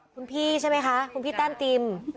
คุณพี่ใช่ไหมคะคุณพี่แต้มติม